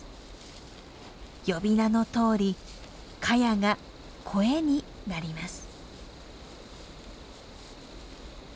呼び名のとおりカヤがコエになります。